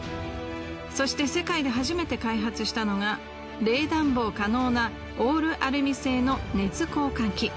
そして世界で初めて開発したのが冷暖房可能なオールアルミ製の熱交換器。